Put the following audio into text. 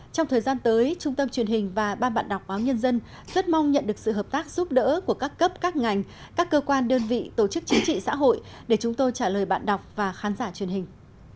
trong thời gian tới trung tâm truyền hình và ban bạn đọc báo nhân dân rất mong nhận được sự hợp tác giúp đỡ của các cấp các ngành các cơ quan đơn vị tổ chức chính trị xã hội để chúng tôi trả lời bạn đọc và khán giả truyền hình